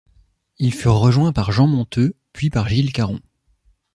Ils furent rejoints par Jean Monteux puis par Gilles Caron.